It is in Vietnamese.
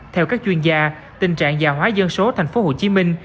theo các chuyên gia tình trạng gia hóa dân số thành phố hồ chí minh